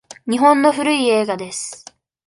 日本の古い映画です。